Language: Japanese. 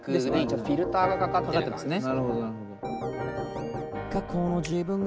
ちょっとフィルターがかかってますね。